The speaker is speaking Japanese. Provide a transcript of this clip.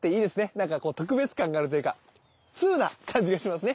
なんかこう特別感があるというかツウな感じがしますね。